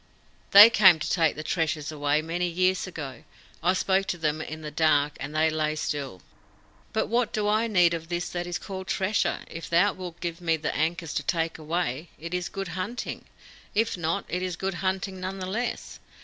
"They came to take the treasure away many years ago. I spoke to them in the dark, and they lay still." "But what do I need of this that is called treasure? If thou wilt give me the ankus to take away, it is good hunting. If not, it is good hunting none the less.